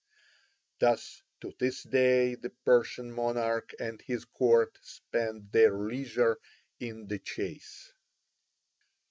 Thus to this day the Persian monarch and his court spend their leisure in the chase.